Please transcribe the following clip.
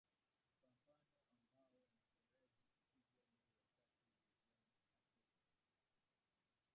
pambano ambao nataraji kupigwa leo wakati wigan athletic